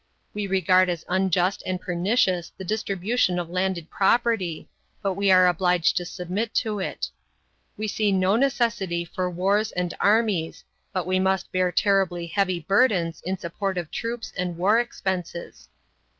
We regard as unjust and pernicious the distribution of landed property, but we are obliged to submit to it. We see no necessity for wars and armies, but we must bear terribly heavy burdens in support of troops and war expenses.